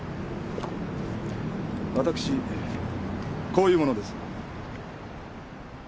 私こういう者です。